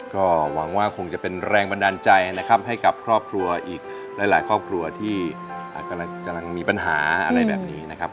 ก็หวังว่าคงจะเป็นแรงบันดาลใจนะครับให้กับครอบครัวอีกหลายครอบครัวที่กำลังมีปัญหาอะไรแบบนี้นะครับ